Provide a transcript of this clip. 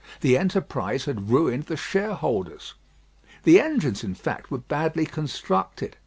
The enterprise had ruined the shareholders. The engines, in fact, were badly constructed.